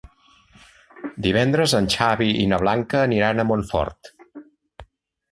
Divendres en Xavi i na Blanca aniran a Montfort.